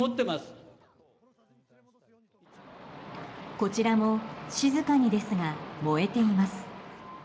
こちらも、静かにですが燃えています。